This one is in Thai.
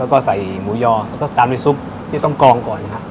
แล้วก็ใส่หมูยอแล้วก็ตามด้วยซุปที่ต้องกองก่อนครับ